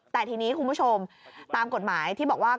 แต่ทีนี้คุณผู้ชมตามกฎหมายที่บอกว่า